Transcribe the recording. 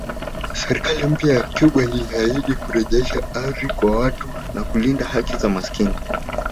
Serikali mpya ya Cuba iliahidi kurejesha ardhi kwa watu na kulinda haki za maskini